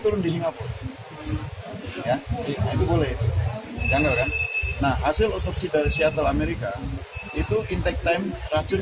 turun di singapura boleh itu jangan kan nah hasil otopsi dari seattle amerika itu intake time racun